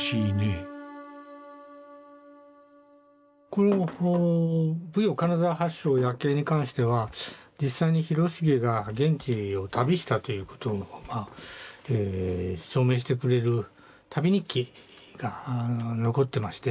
この「武陽金沢八勝夜景」に関しては実際に広重が現地を旅したということを証明してくれる旅日記が残ってまして。